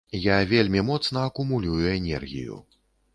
Я вельмі моцна акумулюю энергію.